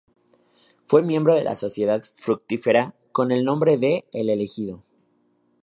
Fue miembro de la Sociedad fructífera con el nombre de "el elegido".